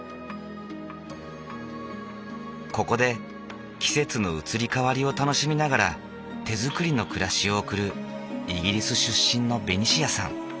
ここで季節の移り変わりを楽しみながら手づくりの暮らしを送るイギリス出身のベニシアさん。